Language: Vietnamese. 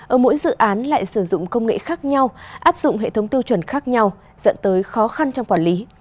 ở mỗi dự án lại sử dụng công nghệ khác nhau áp dụng hệ thống tiêu chuẩn khác nhau dẫn tới khó khăn trong quản lý